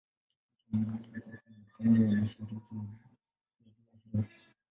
Mji wa Magadi upo kwenye pwani ya mashariki ya ziwa hili.